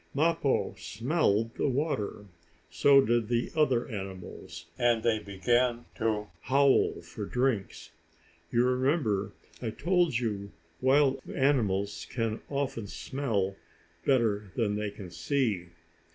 Mappo smelled the water. So did the other animals, and they began to howl for drinks. You remember I told you wild animals can often smell better than they can see.